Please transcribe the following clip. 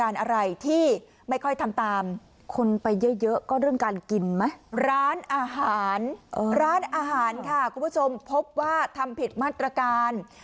ร้านอาหารร้านอาหารค่ะคุณผู้ชมพบว่าทำผิดมาตรการ